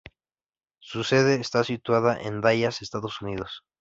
Su sede está situada en Dallas, Estados Unidos.